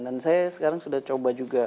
dan saya sekarang sudah coba juga